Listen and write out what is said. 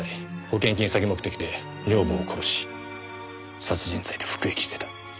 保険金詐欺目的で女房を殺し殺人罪で服役してた。